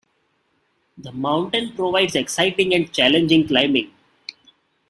The mountain provides exciting and challenging climbing.